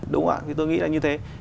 đúng ạ thì tôi nghĩ là như thế